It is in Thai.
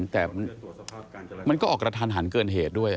แต่มันก็ออกกระทันหันเกินเหตุด้วย